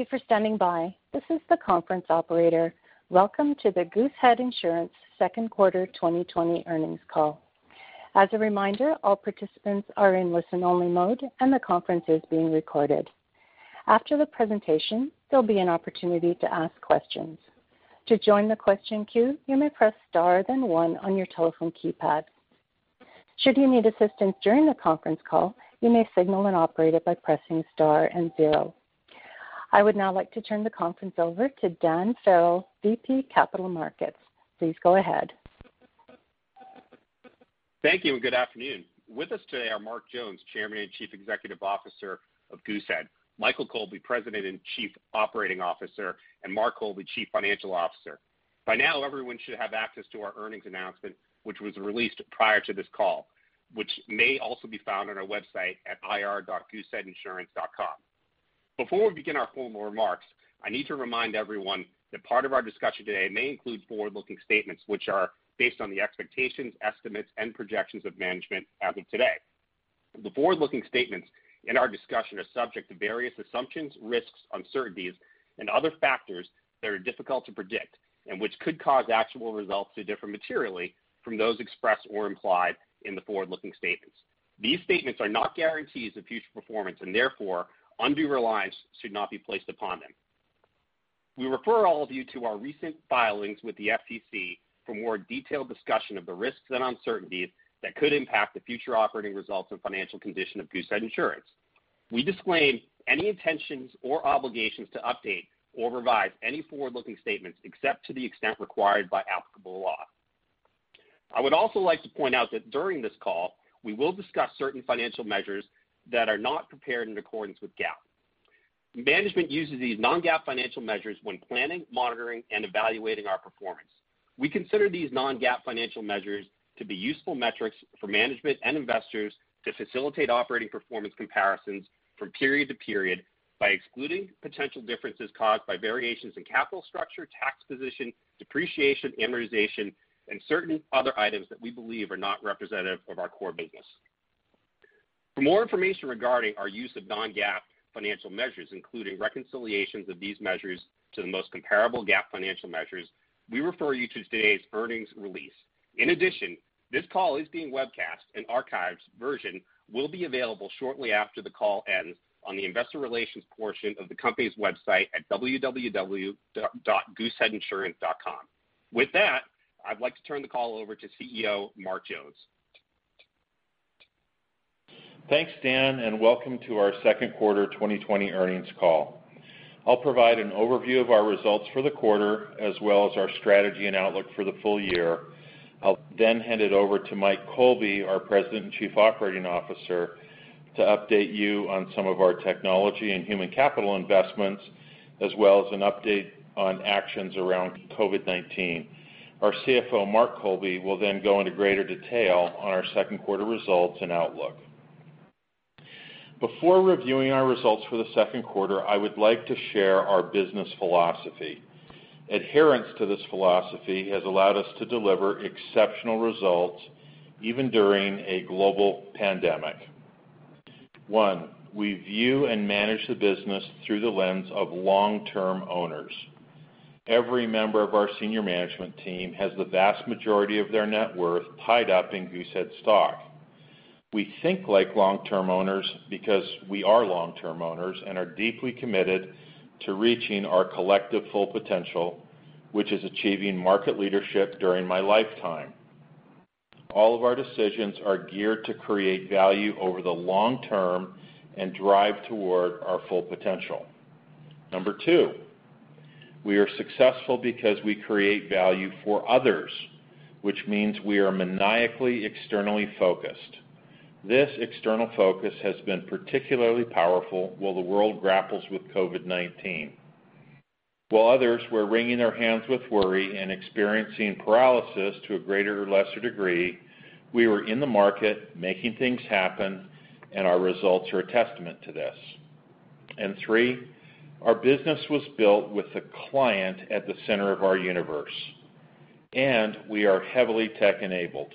Thank you for standing by. This is the conference operator. Welcome to the Goosehead Insurance Second Quarter 2020 earnings call. As a reminder, all participants are in listen-only mode, and the conference is being recorded. After the presentation, there'll be an opportunity to ask questions. To join the question queue, you may press star then one on your telephone keypad. Should you need assistance during the conference call, you may signal an operator by pressing star and zero. I would now like to turn the conference over to Dan Farrell, VP Capital Markets. Please go ahead. Thank you. Good afternoon. With us today are Mark Jones, Chairman and Chief Executive Officer of Goosehead, Michael Colby, President and Chief Operating Officer, and Mark Colby, Chief Financial Officer. By now, everyone should have access to our earnings announcement, which was released prior to this call, which may also be found on our website at ir.gooseheadinsurance.com. Before we begin our formal remarks, I need to remind everyone that part of our discussion today may include forward-looking statements which are based on the expectations, estimates, and projections of management as of today. The forward-looking statements in our discussion are subject to various assumptions, risks, uncertainties, and other factors that are difficult to predict and which could cause actual results to differ materially from those expressed or implied in the forward-looking statements. These statements are not guarantees of future performance, and therefore, undue reliance should not be placed upon them. We refer all of you to our recent filings with the SEC for more detailed discussion of the risks and uncertainties that could impact the future operating results and financial condition of Goosehead Insurance. We disclaim any intentions or obligations to update or revise any forward-looking statements except to the extent required by applicable law. I would also like to point out that during this call, we will discuss certain financial measures that are not prepared in accordance with GAAP. Management uses these non-GAAP financial measures when planning, monitoring, and evaluating our performance. We consider these non-GAAP financial measures to be useful metrics for management and investors to facilitate operating performance comparisons from period to period by excluding potential differences caused by variations in capital structure, tax position, depreciation, amortization, and certain other items that we believe are not representative of our core business. For more information regarding our use of non-GAAP financial measures, including reconciliations of these measures to the most comparable GAAP financial measures, we refer you to today's earnings release. In addition, this call is being webcast, an archived version will be available shortly after the call ends on the investor relations portion of the company's website at www.gooseheadinsurance.com. With that, I'd like to turn the call over to CEO Mark Jones. Thanks, Dan, and welcome to our second quarter 2020 earnings call. I'll provide an overview of our results for the quarter as well as our strategy and outlook for the full year. I'll then hand it over to Mike Colby, our President and Chief Operating Officer, to update you on some of our technology and human capital investments, as well as an update on actions around COVID-19. Our CFO, Mark Colby, will then go into greater detail on our second quarter results and outlook. Before reviewing our results for the second quarter, I would like to share our business philosophy. Adherence to this philosophy has allowed us to deliver exceptional results even during a global pandemic. One, we view and manage the business through the lens of long-term owners. Every member of our senior management team has the vast majority of their net worth tied up in Goosehead stock. We think like long-term owners because we are long-term owners and are deeply committed to reaching our collective full potential, which is achieving market leadership during my lifetime. All of our decisions are geared to create value over the long term and drive toward our full potential. Number two, we are successful because we create value for others, which means we are maniacally externally focused. This external focus has been particularly powerful while the world grapples with COVID-19. While others were wringing their hands with worry and experiencing paralysis to a greater or lesser degree, we were in the market making things happen, and our results are a testament to this. Three, our business was built with the client at the center of our universe, and we are heavily tech-enabled.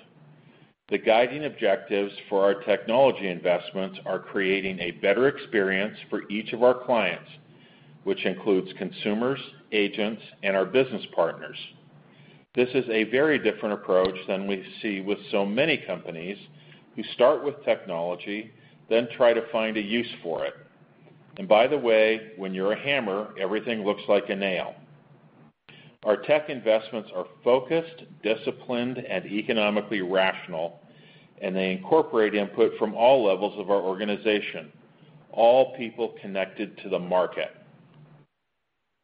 The guiding objectives for our technology investments are creating a better experience for each of our clients, which includes consumers, agents, and our business partners. This is a very different approach than we see with so many companies who start with technology, then try to find a use for it. By the way, when you're a hammer, everything looks like a nail. Our tech investments are focused, disciplined, and economically rational, and they incorporate input from all levels of our organization, all people connected to the market.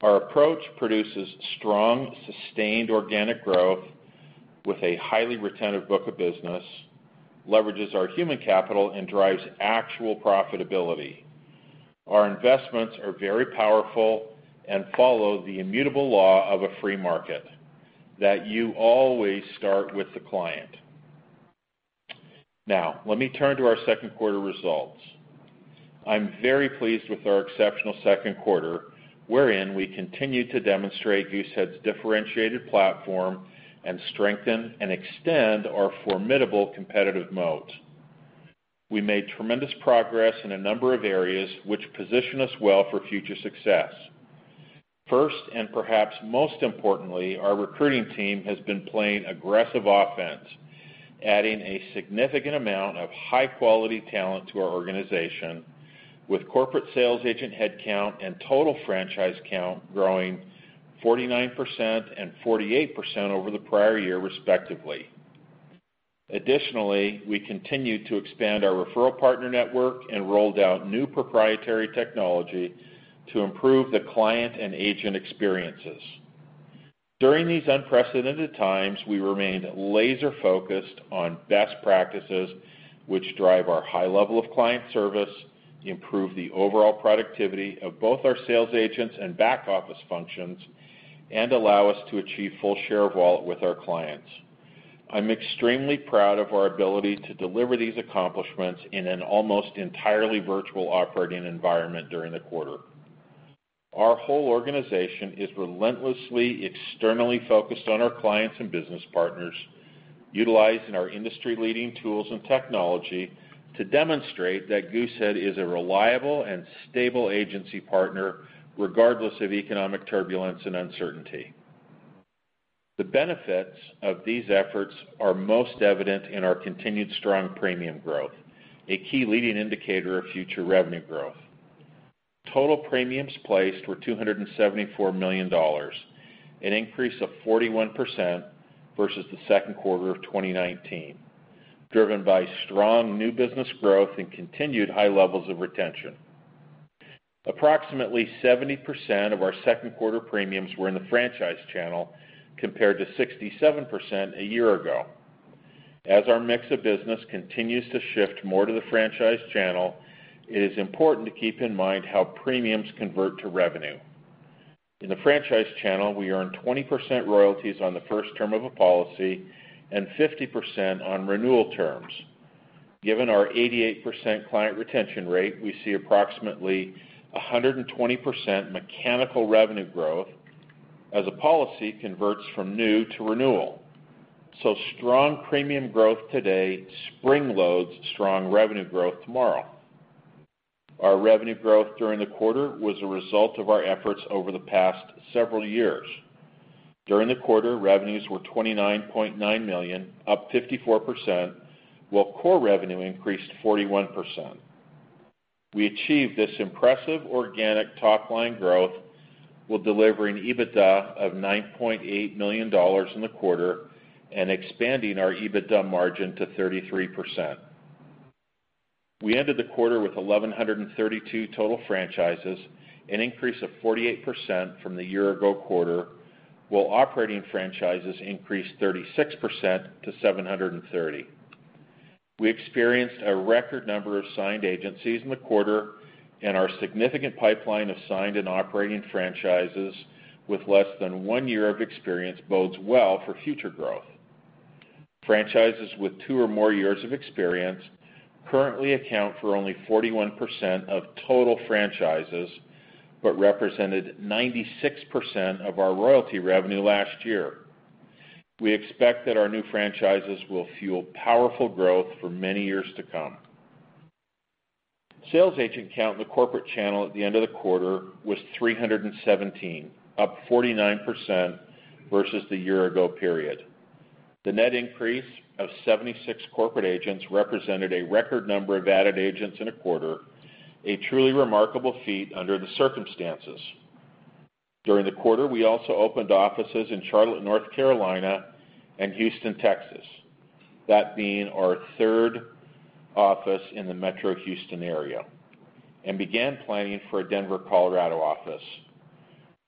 Our approach produces strong, sustained organic growth with a highly retentive book of business, leverages our human capital, and drives actual profitability. Our investments are very powerful and follow the immutable law of a free market, that you always start with the client. Let me turn to our second quarter results. I'm very pleased with our exceptional second quarter, wherein we continued to demonstrate Goosehead's differentiated platform and strengthen and extend our formidable competitive moat. We made tremendous progress in a number of areas which position us well for future success. First, and perhaps most importantly, our recruiting team has been playing aggressive offense, adding a significant amount of high-quality talent to our organization with corporate sales agent headcount and total franchise count growing 49% and 48% over the prior year, respectively. Additionally, we continued to expand our referral partner network and rolled out new proprietary technology to improve the client and agent experiences. During these unprecedented times, we remained laser-focused on best practices, which drive our high level of client service, improve the overall productivity of both our sales agents and back-office functions, and allow us to achieve full share of wallet with our clients. I'm extremely proud of our ability to deliver these accomplishments in an almost entirely virtual operating environment during the quarter. Our whole organization is relentlessly externally focused on our clients and business partners, utilizing our industry-leading tools and technology to demonstrate that Goosehead Insurance is a reliable and stable agency partner regardless of economic turbulence and uncertainty. The benefits of these efforts are most evident in our continued strong premium growth, a key leading indicator of future revenue growth. Total premiums placed were $274 million, an increase of 41% versus the second quarter of 2019, driven by strong new business growth and continued high levels of retention. Approximately 70% of our second quarter premiums were in the franchise channel, compared to 67% a year ago. As our mix of business continues to shift more to the franchise channel, it is important to keep in mind how premiums convert to revenue. In the franchise channel, we earn 20% royalties on the first term of a policy and 50% on renewal terms. Given our 88% client retention rate, we see approximately 120% mechanical revenue growth as a policy converts from new to renewal. Strong premium growth today spring-loads strong revenue growth tomorrow. Our revenue growth during the quarter was a result of our efforts over the past several years. During the quarter, revenues were $29.9 million, up 54%, while core revenue increased 41%. We achieved this impressive organic top-line growth while delivering EBITDA of $9.8 million in the quarter and expanding our EBITDA margin to 33%. We ended the quarter with 1,132 total franchises, an increase of 48% from the year-ago quarter, while operating franchises increased 36% to 730. We experienced a record number of signed agencies in the quarter. Our significant pipeline of signed and operating franchises with less than one year of experience bodes well for future growth. Franchises with two or more years of experience currently account for only 41% of total franchises, but represented 96% of our royalty revenue last year. We expect that our new franchises will fuel powerful growth for many years to come. Sales agent count in the corporate channel at the end of the quarter was 317, up 49% versus the year-ago period. The net increase of 76 corporate agents represented a record number of added agents in a quarter, a truly remarkable feat under the circumstances. During the quarter, we also opened offices in Charlotte, N.C., and Houston, T.X., that being our third office in the metro Houston area, and began planning for a Denver, C.O. office.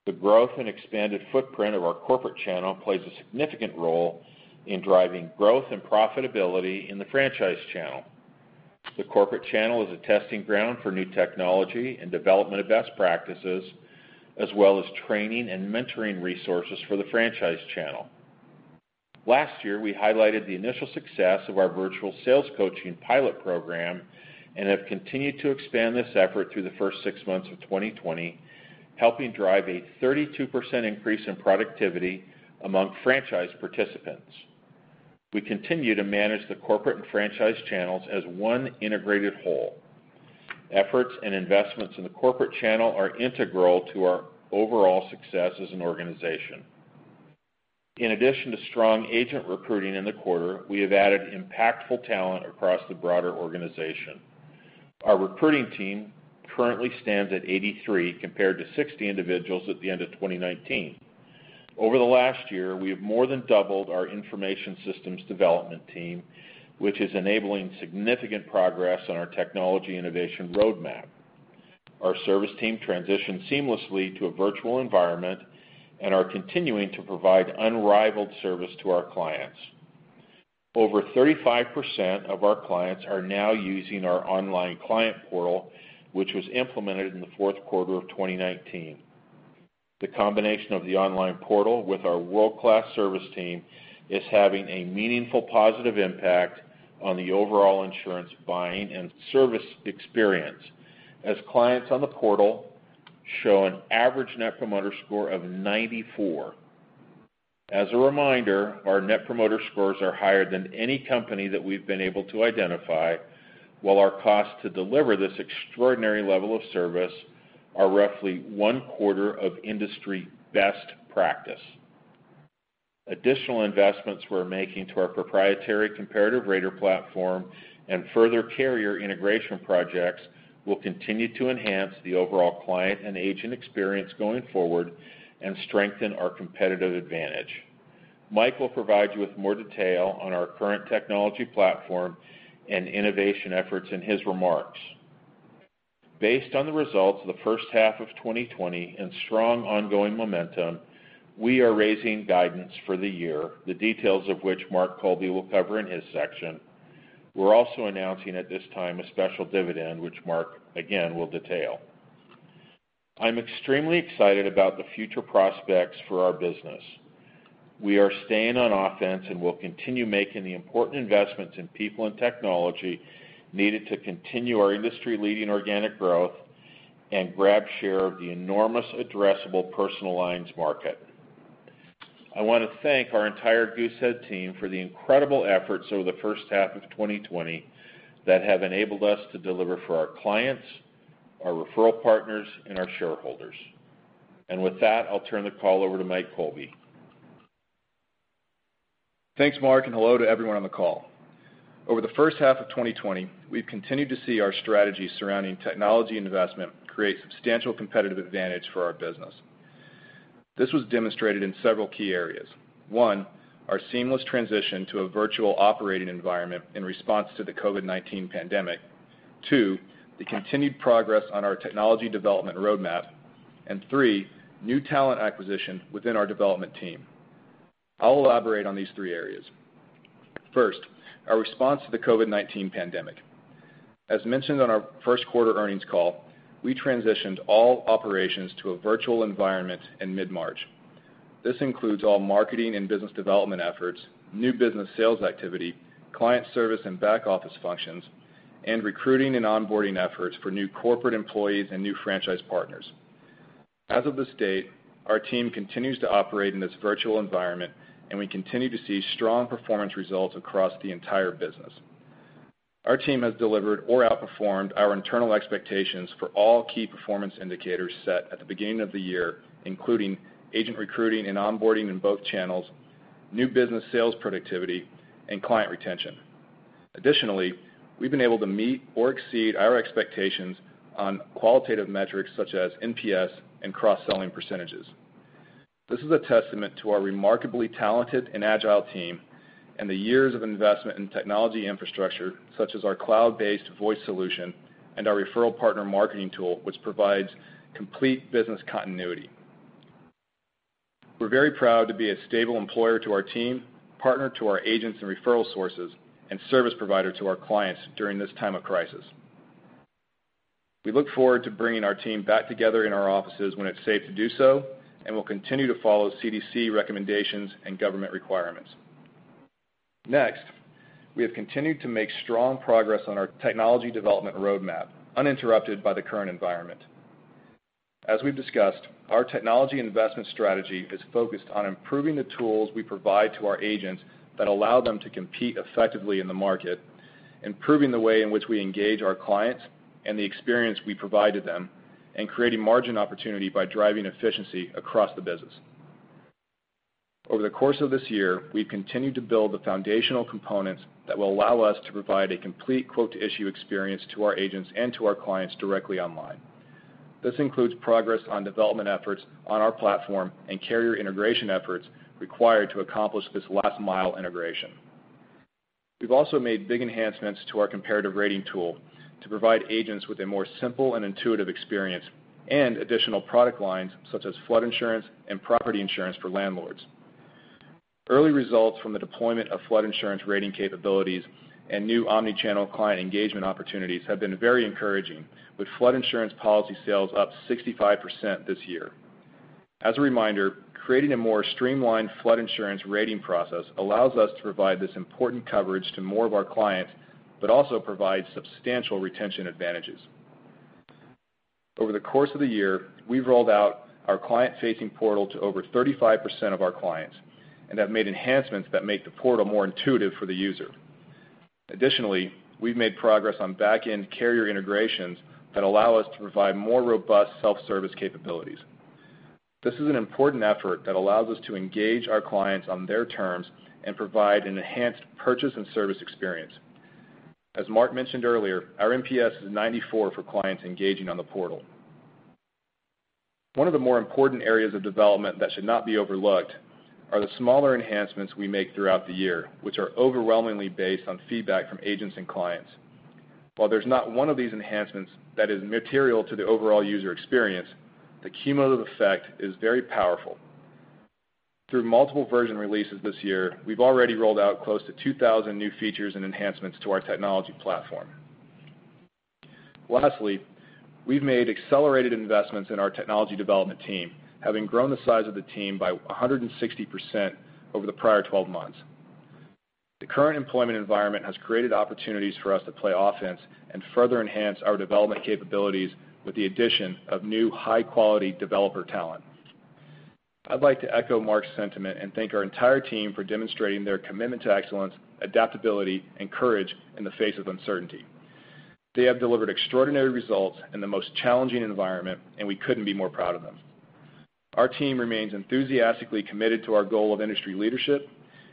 The growth and expanded footprint of our corporate channel plays a significant role in driving growth and profitability in the franchise channel. The corporate channel is a testing ground for new technology and development of best practices, as well as training and mentoring resources for the franchise channel. Last year, we highlighted the initial success of our virtual sales coaching pilot program and have continued to expand this effort through the first six months of 2020, helping drive a 32% increase in productivity among franchise participants. We continue to manage the corporate and franchise channels as one integrated whole. Efforts and investments in the corporate channel are integral to our overall success as an organization. In addition to strong agent recruiting in the quarter, we have added impactful talent across the broader organization. Our recruiting team currently stands at 83 compared to 60 individuals at the end of 2019. Over the last year, we have more than doubled our information systems development team, which is enabling significant progress on our technology innovation roadmap. Our service team transitioned seamlessly to a virtual environment and are continuing to provide unrivaled service to our clients. Over 35% of our clients are now using our online client portal, which was implemented in the fourth quarter of 2019. The combination of the online portal with our world-class service team is having a meaningful, positive impact on the overall insurance buying and service experience, as clients on the portal show an average Net Promoter Score of 94. As a reminder, our Net Promoter Scores are higher than any company that we've been able to identify, while our cost to deliver this extraordinary level of service are roughly one-quarter of industry best practice. Additional investments we're making to our proprietary comparative rater platform and further carrier integration projects will continue to enhance the overall client and agent experience going forward and strengthen our competitive advantage. Mike will provide you with more detail on our current technology platform and innovation efforts in his remarks. Based on the results of the first half of 2020 and strong ongoing momentum, we are raising guidance for the year, the details of which Mark Colby will cover in his section. We're also announcing at this time a special dividend, which Mark, again, will detail. I'm extremely excited about the future prospects for our business. We are staying on offense and will continue making the important investments in people and technology needed to continue our industry-leading organic growth and grab share of the enormous addressable personal lines market. I want to thank our entire Goosehead team for the incredible efforts over the first half of 2020 that have enabled us to deliver for our clients, our referral partners, and our shareholders. With that, I'll turn the call over to Mike Colby. Thanks, Mark, hello to everyone on the call. Over the first half of 2020, we've continued to see our strategy surrounding technology investment create substantial competitive advantage for our business. This was demonstrated in several key areas. 1, our seamless transition to a virtual operating environment in response to the COVID-19 pandemic. 2, the continued progress on our technology development roadmap. 3, new talent acquisition within our development team. I'll elaborate on these three areas. First, our response to the COVID-19 pandemic. As mentioned on our first quarter earnings call, we transitioned all operations to a virtual environment in mid-March. This includes all marketing and business development efforts, new business sales activity, client service and back-office functions, and recruiting and onboarding efforts for new corporate employees and new franchise partners. As of this date, our team continues to operate in this virtual environment, and we continue to see strong performance results across the entire business. Our team has delivered or outperformed our internal expectations for all key performance indicators set at the beginning of the year, including agent recruiting and onboarding in both channels, new business sales productivity, and client retention. Additionally, we've been able to meet or exceed our expectations on qualitative metrics such as NPS and cross-selling %. This is a testament to our remarkably talented and agile team and the years of investment in technology infrastructure such as our cloud-based voice solution and our referral partner marketing tool, which provides complete business continuity. We're very proud to be a stable employer to our team, partner to our agents and referral sources, and service provider to our clients during this time of crisis. We look forward to bringing our team back together in our offices when it's safe to do so, and we'll continue to follow CDC recommendations and government requirements. We have continued to make strong progress on our technology development roadmap, uninterrupted by the current environment. As we've discussed, our technology investment strategy is focused on improving the tools we provide to our agents that allow them to compete effectively in the market, improving the way in which we engage our clients and the experience we provide to them, and creating margin opportunity by driving efficiency across the business. Over the course of this year, we've continued to build the foundational components that will allow us to provide a complete quote-to-issue experience to our agents and to our clients directly online. This includes progress on development efforts on our platform and carrier integration efforts required to accomplish this last-mile integration. We've also made big enhancements to our comparative rater tool to provide agents with a more simple and intuitive experience and additional product lines, such as flood insurance and property insurance for landlords. Early results from the deployment of flood insurance rating capabilities and new omni-channel client engagement opportunities have been very encouraging, with flood insurance policy sales up 65% this year. As a reminder, creating a more streamlined flood insurance rating process allows us to provide this important coverage to more of our clients but also provides substantial retention advantages. Over the course of the year, we've rolled out our client-facing portal to over 35% of our clients and have made enhancements that make the portal more intuitive for the user. Additionally, we've made progress on back-end carrier integrations that allow us to provide more robust self-service capabilities. This is an important effort that allows us to engage our clients on their terms and provide an enhanced purchase and service experience. As Mark mentioned earlier, our NPS is 94 for clients engaging on the portal. One of the more important areas of development that should not be overlooked are the smaller enhancements we make throughout the year, which are overwhelmingly based on feedback from agents and clients. While there's not one of these enhancements that is material to the overall user experience, the cumulative effect is very powerful. Through multiple version releases this year, we've already rolled out close to 2,000 new features and enhancements to our technology platform. We've made accelerated investments in our technology development team, having grown the size of the team by 160% over the prior 12 months. The current employment environment has created opportunities for us to play offense and further enhance our development capabilities with the addition of new high-quality developer talent. I'd like to echo Mark's sentiment and thank our entire team for demonstrating their commitment to excellence, adaptability, and courage in the face of uncertainty. They have delivered extraordinary results in the most challenging environment, and we couldn't be more proud of them. Our team remains enthusiastically committed to our goal of industry leadership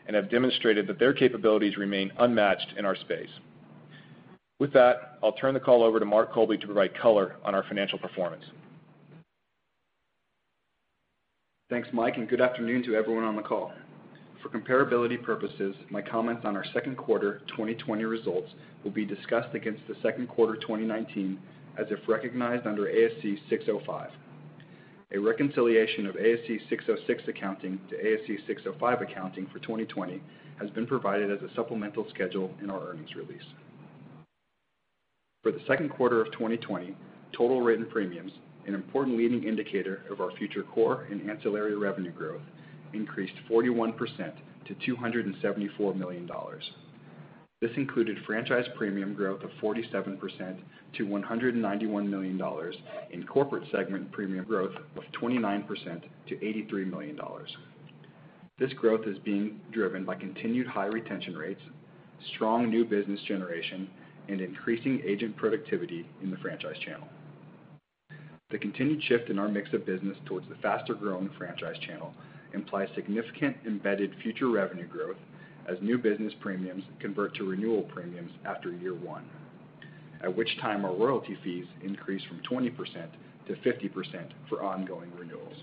and have demonstrated that their capabilities remain unmatched in our space. With that, I'll turn the call over to Mark Colby to provide color on our financial performance. Thanks, Mike, good afternoon to everyone on the call. For comparability purposes, my comments on our second quarter 2020 results will be discussed against the second quarter 2019 as if recognized under ASC 605. A reconciliation of ASC 606 accounting to ASC 605 accounting for 2020 has been provided as a supplemental schedule in our earnings release. For the second quarter of 2020, total written premiums, an important leading indicator of our future core and ancillary revenue growth, increased 41% to $274 million. This included franchise premium growth of 47% to $191 million in corporate segment premium growth of 29% to $83 million. This growth is being driven by continued high retention rates, strong new business generation, and increasing agent productivity in the franchise channel. The continued shift in our mix of business towards the faster-growing franchise channel implies significant embedded future revenue growth as new business premiums convert to renewal premiums after year one, at which time our royalty fees increase from 20% to 50% for ongoing renewals.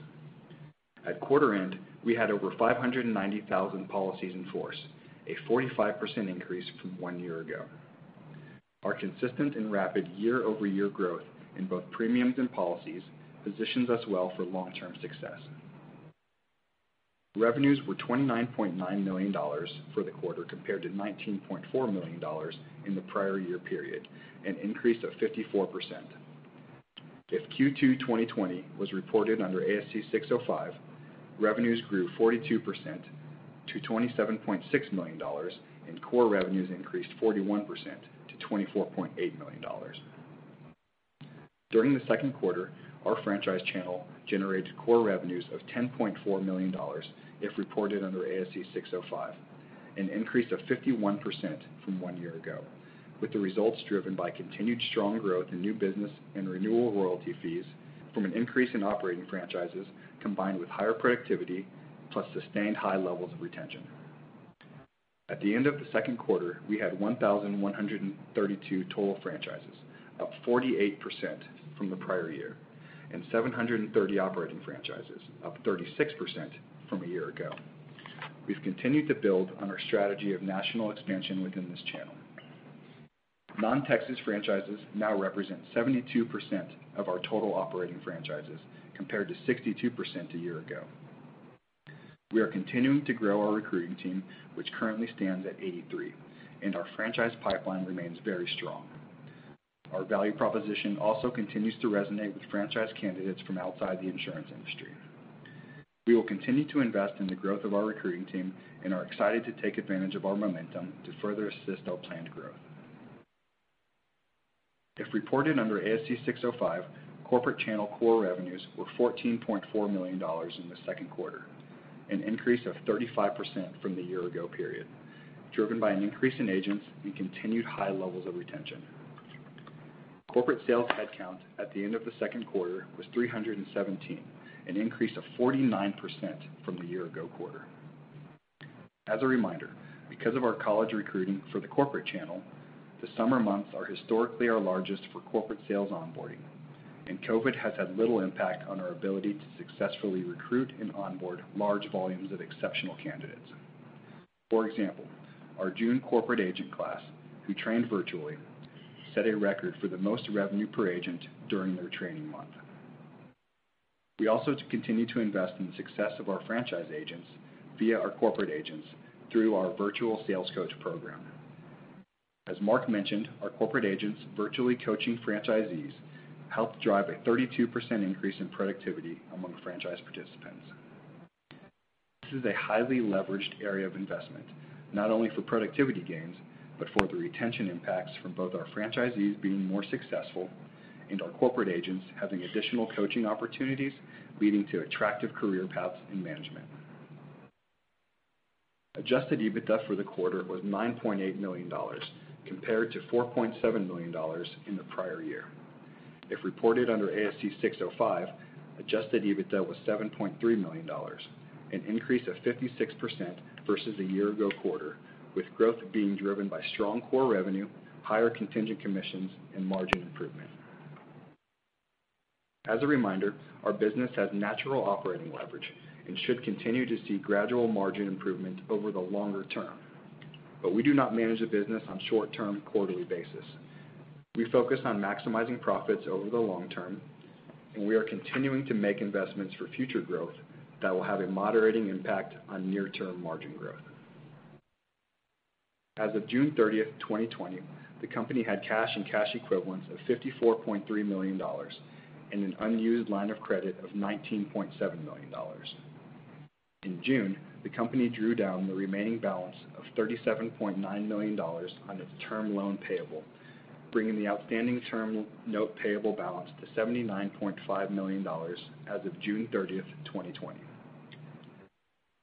At quarter end, we had over 590,000 policies in force, a 45% increase from one year ago. Our consistent and rapid year-over-year growth in both premiums and policies positions us well for long-term success. Revenues were $29.9 million for the quarter compared to $19.4 million in the prior year period, an increase of 54%. If Q2 2020 was reported under ASC 605, revenues grew 42% to $27.6 million, and core revenues increased 41% to $24.8 million. During the second quarter, our franchise channel generated core revenues of $10.4 million if reported under ASC 605, an increase of 51% from one year ago, with the results driven by continued strong growth in new business and renewal royalty fees from an increase in operating franchises, combined with higher productivity, plus sustained high levels of retention. At the end of the second quarter, we had 1,132 total franchises, up 48% from the prior year, and 730 operating franchises, up 36% from a year ago. We've continued to build on our strategy of national expansion within this channel. Non-Texas franchises now represent 72% of our total operating franchises, compared to 62% a year ago. We are continuing to grow our recruiting team, which currently stands at 83, and our franchise pipeline remains very strong. Our value proposition also continues to resonate with franchise candidates from outside the insurance industry. We will continue to invest in the growth of our recruiting team and are excited to take advantage of our momentum to further assist our planned growth. If reported under ASC 605, corporate channel core revenues were $14.4 million in the second quarter, an increase of 35% from the year ago period, driven by an increase in agents and continued high levels of retention. Corporate sales headcount at the end of the second quarter was 317, an increase of 49% from the year ago quarter. As a reminder, because of our college recruiting for the corporate channel, the summer months are historically our largest for corporate sales onboarding, and COVID has had little impact on our ability to successfully recruit and onboard large volumes of exceptional candidates. For example, our June corporate agent class, who trained virtually, set a record for the most revenue per agent during their training month. We also continue to invest in the success of our franchise agents via our corporate agents through our virtual sales coach program. As Mark mentioned, our corporate agents virtually coaching franchisees helped drive a 32% increase in productivity among franchise participants. This is a highly leveraged area of investment, not only for productivity gains, but for the retention impacts from both our franchisees being more successful and our corporate agents having additional coaching opportunities, leading to attractive career paths in management. Adjusted EBITDA for the quarter was $9.8 million, compared to $4.7 million in the prior year. If reported under ASC 605, adjusted EBITDA was $7.3 million, an increase of 56% versus the year ago quarter, with growth being driven by strong core revenue, higher contingent commissions, and margin improvement. As a reminder, our business has natural operating leverage and should continue to see gradual margin improvement over the longer term. We do not manage the business on a short-term, quarterly basis. We focus on maximizing profits over the long term, we are continuing to make investments for future growth that will have a moderating impact on near-term margin growth. As of June 30th, 2020, the company had cash and cash equivalents of $54.3 million and an unused line of credit of $19.7 million. In June, the company drew down the remaining balance of $37.9 million on its term loan payable, bringing the outstanding term note payable balance to $79.5 million as of June 30th, 2020.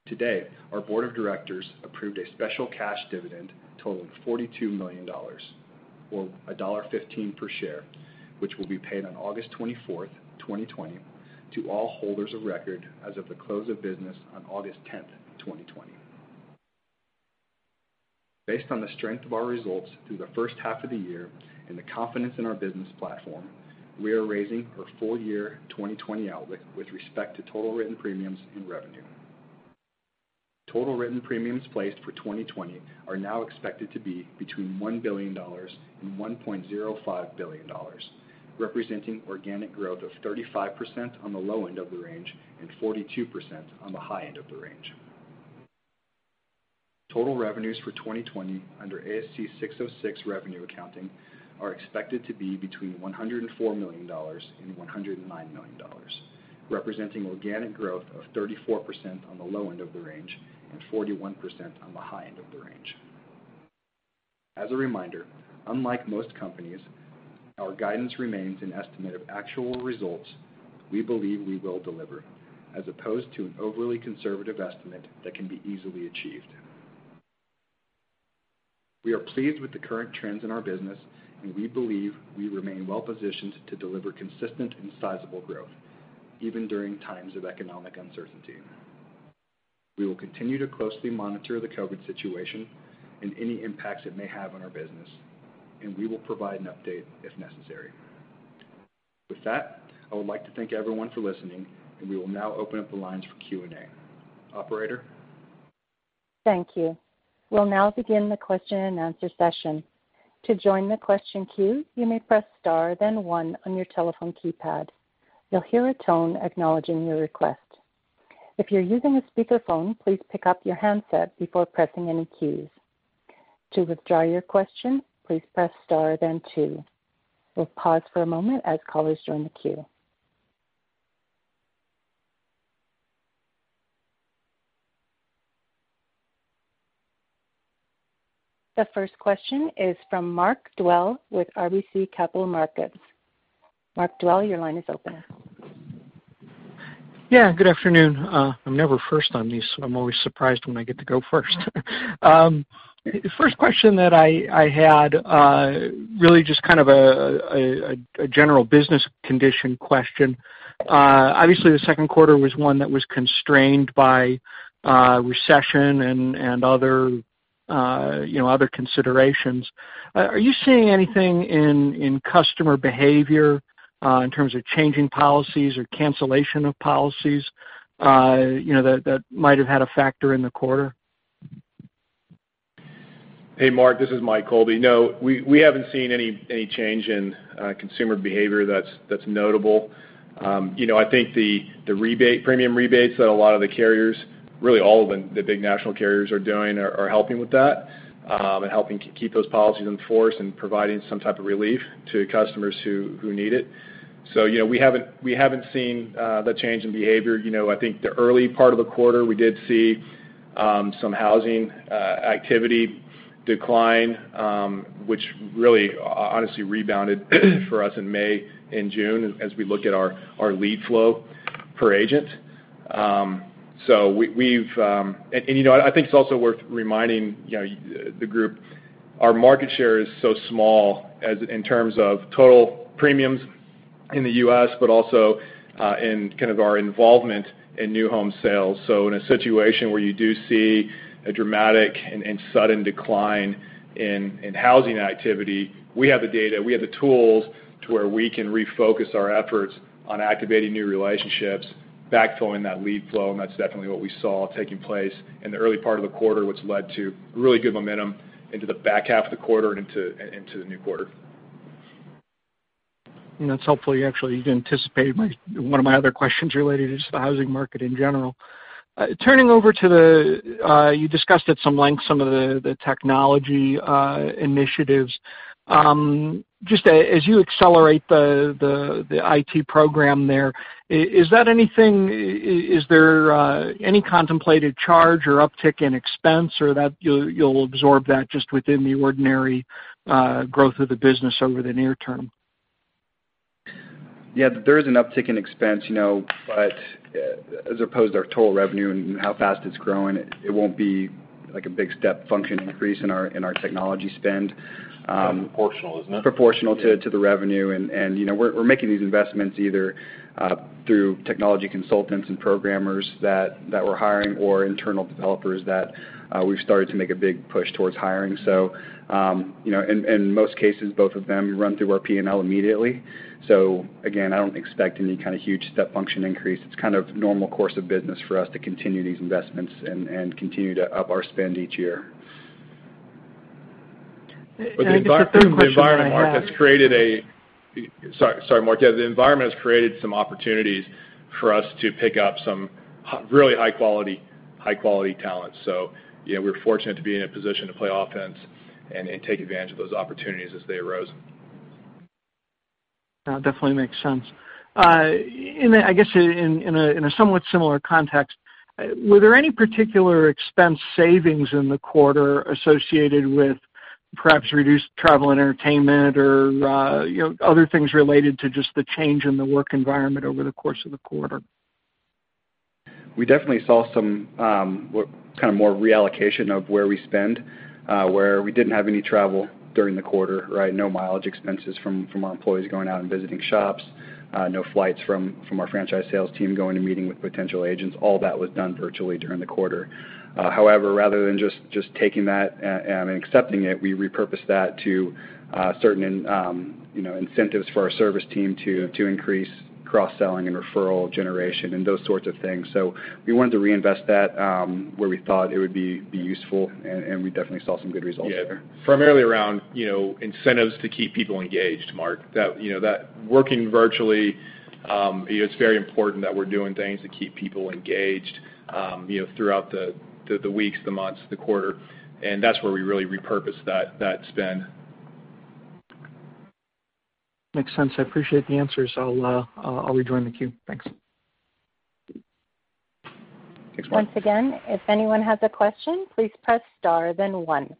Today, our board of directors approved a special cash dividend totaling $42 million, or $1.15 per share, which will be paid on August 24th, 2020 to all holders of record as of the close of business on August 10th, 2020. Based on the strength of our results through the first half of the year and the confidence in our business platform, we are raising our full year 2020 outlook with respect to total written premiums and revenue. Total written premiums placed for 2020 are now expected to be between $1 billion and $1.05 billion, representing organic growth of 35% on the low end of the range and 42% on the high end of the range. Total revenues for 2020 under ASC 606 revenue accounting are expected to be between $104 million and $109 million, representing organic growth of 34% on the low end of the range and 41% on the high end of the range. As a reminder, unlike most companies, our guidance remains an estimate of actual results we believe we will deliver, as opposed to an overly conservative estimate that can be easily achieved. We are pleased with the current trends in our business. We believe we remain well-positioned to deliver consistent and sizable growth even during times of economic uncertainty. We will continue to closely monitor the COVID-19 situation and any impacts it may have on our business. We will provide an update if necessary. With that, I would like to thank everyone for listening. We will now open up the lines for Q&A. Operator? Thank you. We'll now begin the question and answer session. To join the question queue, you may press star, then one on your telephone keypad. You'll hear a tone acknowledging your request. If you're using a speakerphone, please pick up your handset before pressing any keys. To withdraw your question, please press star, then two. We'll pause for a moment as callers join the queue. The first question is from Mark Dwelle with RBC Capital Markets. Mark Dwelle, your line is open. Yeah, good afternoon. I'm never first on these. I'm always surprised when I get to go first. First question that I had, really just kind of a general business condition question. Obviously, the second quarter was one that was constrained by recession and other considerations. Are you seeing anything in customer behavior in terms of changing policies or cancellation of policies that might have had a factor in the quarter? Hey, Mark, this is Mike Colby. No, we haven't seen any change in consumer behavior that's notable. I think the premium rebates that a lot of the carriers, really all of the big national carriers are doing are helping with that, and helping to keep those policies in force and providing some type of relief to customers who need it. We haven't seen the change in behavior. I think the early part of the quarter, we did see some housing activity decline, which really, honestly rebounded for us in May and June as we look at our lead flow per agent. I think it's also worth reminding the group, our market share is so small in terms of total premiums in the U.S., but also in kind of our involvement in new home sales. In a situation where you do see a dramatic and sudden decline in housing activity, we have the data, we have the tools to where we can refocus our efforts on activating new relationships, backfilling that lead flow, and that's definitely what we saw taking place in the early part of the quarter, which led to really good momentum into the back half of the quarter and into the new quarter. That's helpful. You actually anticipated one of my other questions related to just the housing market in general. You discussed at some length some of the technology initiatives. Just as you accelerate the IT program there, is there any contemplated charge or uptick in expense, or you'll absorb that just within the ordinary growth of the business over the near term? There is an uptick in expense, but as opposed to our total revenue and how fast it's growing, it won't be a big step function increase in our technology spend. Proportional, isn't it? Proportional to the revenue, and we're making these investments either through technology consultants and programmers that we're hiring or internal developers that we've started to make a big push towards hiring. In most cases, both of them run through our P&L immediately. Again, I don't expect any kind of huge step function increase. It's kind of normal course of business for us to continue these investments and continue to up our spend each year. Can I just get the third question I have? Sorry, Mark. Yeah, the environment has created some opportunities for us to pick up some really high-quality talent. We're fortunate to be in a position to play offense and take advantage of those opportunities as they arose. Definitely makes sense. I guess in a somewhat similar context, were there any particular expense savings in the quarter associated with perhaps reduced travel and entertainment or other things related to just the change in the work environment over the course of the quarter? We definitely saw some more reallocation of where we spend, where we didn't have any travel during the quarter, right? No mileage expenses from our employees going out and visiting shops. No flights from our franchise sales team going and meeting with potential agents. All that was done virtually during the quarter. Rather than just taking that and accepting it, we repurposed that to certain incentives for our service team to increase cross-selling and referral generation and those sorts of things. We wanted to reinvest that where we thought it would be useful, and we definitely saw some good results there. Yeah. Primarily around incentives to keep people engaged, Mark. That working virtually, it's very important that we're doing things to keep people engaged throughout the weeks, the months, the quarter. That's where we really repurposed that spend. Makes sense. I appreciate the answers. I'll rejoin the queue. Thanks. Thanks, Mark. Once again, if anyone has a question, please press star then one.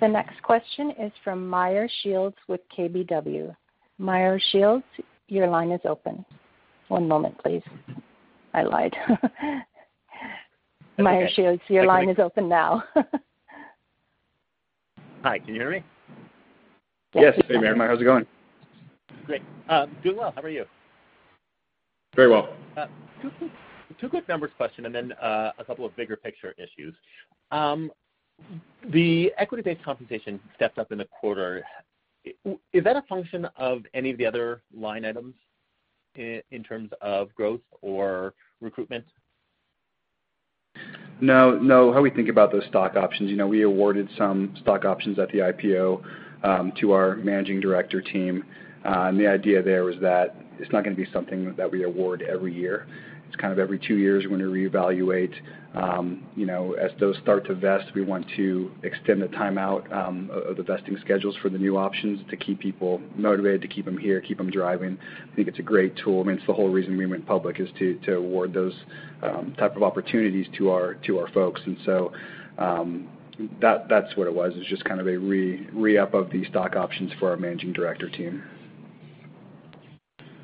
The next question is from Meyer Shields with KBW. Meyer Shields, your line is open. One moment, please. I lied. That's okay. Meyer Shields, your line is open now. Hi, can you hear me? Yes. Yes. Hey, Meyer. How's it going? Great. Doing well. How are you? Very well. Two quick numbers question, and then a couple of bigger picture issues. The equity-based compensation stepped up in the quarter. Is that a function of any of the other line items in terms of growth or recruitment? No. How we think about those stock options, we awarded some stock options at the IPO, to our managing director team. The idea there was that it's not going to be something that we award every year. It's kind of every two years, we're going to reevaluate. As those start to vest, we want to extend the time out of the vesting schedules for the new options to keep people motivated, to keep them here, keep them driving. I mean, it's the whole reason we went public is to award those type of opportunities to our folks. That's what it was, is just kind of a re-up of the stock options for our managing director team.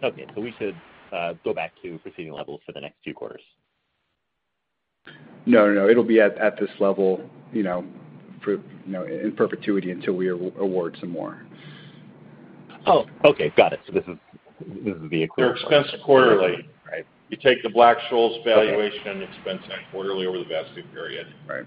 Okay. We should go back to preceding levels for the next two quarters. No. It'll be at this level in perpetuity until we award some more. Okay. Got it. This is the equity. They're expensed quarterly. Right. You take the Black-Scholes valuation. Okay expensed quarterly over the vesting period. Right.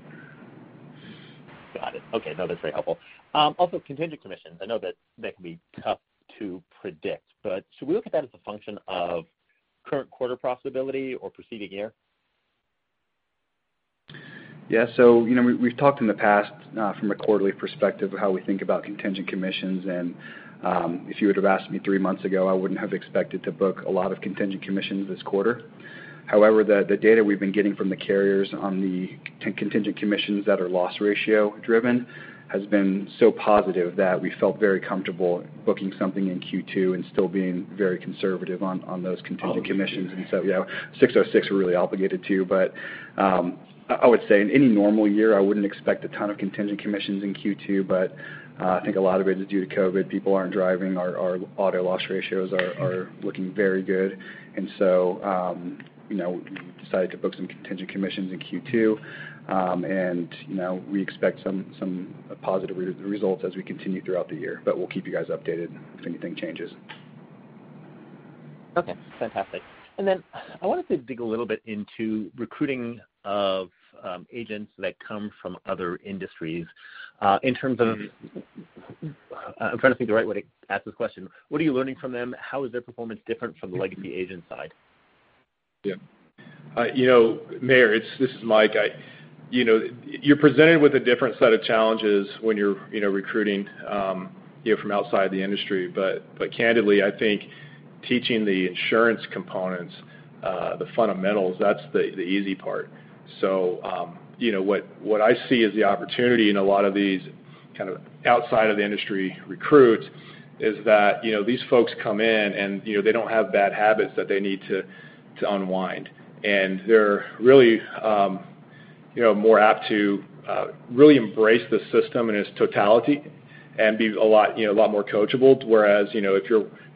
Got it. Okay. That's very helpful. Also contingent commissions. I know that can be tough to predict, but should we look at that as a function of current quarter profitability or preceding year? We've talked in the past, from a quarterly perspective, of how we think about contingent commissions, If you would've asked me three months ago, I wouldn't have expected to book a lot of contingent commissions this quarter. However, the data we've been getting from the carriers on the contingent commissions that are loss ratio driven has been so positive that we felt very comfortable booking something in Q2 and still being very conservative on those contingent commissions. Obligated. 606 we're really obligated to, I would say in any normal year, I wouldn't expect a ton of contingent commissions in Q2, I think a lot of it is due to COVID. People aren't driving. Our auto loss ratios are looking very good. We decided to book some contingent commissions in Q2. We expect some positive results as we continue throughout the year, but we'll keep you guys updated if anything changes. Okay. Fantastic. I wanted to dig a little bit into recruiting of agents that come from other industries, in terms of I'm trying to think the right way to ask this question. What are you learning from them? How is their performance different from the legacy agent side? Yeah. Meyer, this is Mike. You're presented with a different set of challenges when you're recruiting from outside the industry. Candidly, I think teaching the insurance components, the fundamentals, that's the easy part. What I see as the opportunity in a lot of these kind of outside of the industry recruits is that, these folks come in and they don't have bad habits that they need to unwind. They're really more apt to really embrace the system in its totality and be a lot more coachable. Whereas, if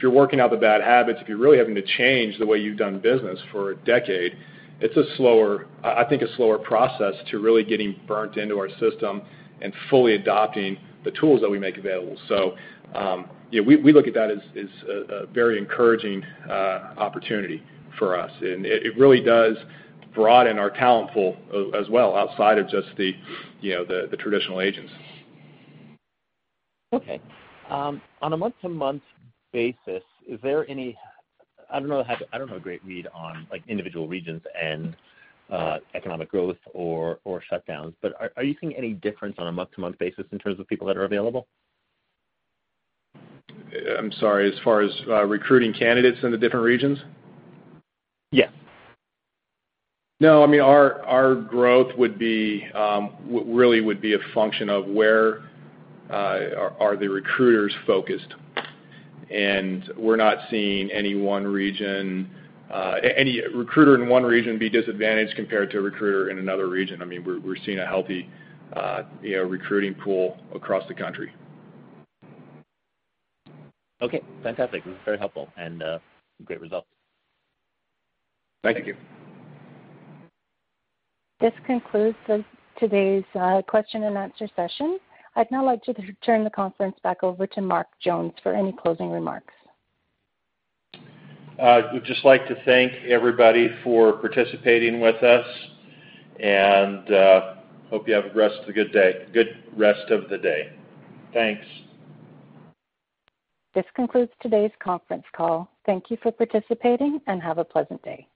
you're working out the bad habits, if you're really having to change the way you've done business for a decade, it's I think, a slower process to really getting burnt into our system and fully adopting the tools that we make available. We look at that as a very encouraging opportunity for us, and it really does broaden our talent pool as well, outside of just the traditional agents. Okay. On a month-to-month basis, I don't have a great read on individual regions and economic growth or shutdowns, but are you seeing any difference on a month-to-month basis in terms of people that are available? I'm sorry, as far as recruiting candidates in the different regions? Yes. No, I mean, our growth really would be a function of where are the recruiters focused. We're not seeing any recruiter in one region be disadvantaged compared to a recruiter in another region. We're seeing a healthy recruiting pool across the country. Okay. Fantastic. This is very helpful and great results. Thank you. Thank you. This concludes today's question and answer session. I'd now like to turn the conference back over to Mark Jones for any closing remarks. I would just like to thank everybody for participating with us, and hope you have a good rest of the day. Thanks. This concludes today's conference call. Thank you for participating, and have a pleasant day.